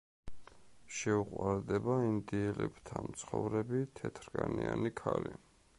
შეუყვარდება ინდიელებთან მცხოვრები თეთრკანიანი ქალი.